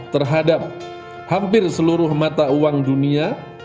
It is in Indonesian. terhadap hampir seluruh mata uang dunia